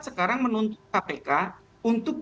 sekarang menuntut kpk untuk